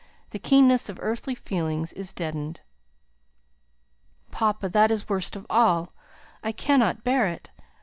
The keenness of earthly feelings is deadened." "Papa, that is worst of all. I cannot bear it.